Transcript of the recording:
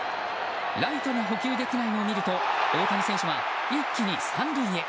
ライトが捕球できないのを見ると大谷選手は一気に３塁へ。